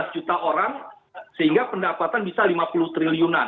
satu ratus sebelas juta orang sehingga pendapatan bisa lima puluh triliunan